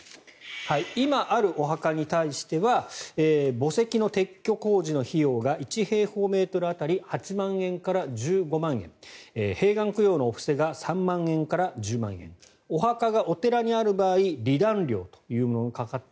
今あるお墓に対しては墓石の撤去工事の費用が１平方メートル当たり８万円から１５万円閉眼供養のお布施が３万円から１０万円お墓がお寺にある場合離檀料というものがかかって